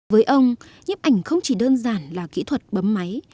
với ông nhếp ảnh không chỉ đơn giản là kỹ thuật bấm máy